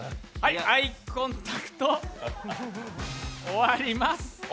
アイコンタクト終わります。